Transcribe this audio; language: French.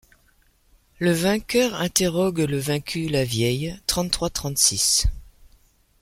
Le vainqueur interrogue le vaincu Lavieille trente-trois trente-six.